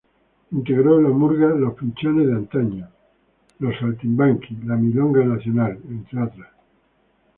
Integró la murga "Los Pichones de Antaño", "Los Saltimbanquis", "La Milonga Nacional", entre otras.